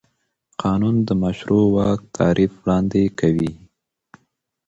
قانون د مشروع واک تعریف وړاندې کوي.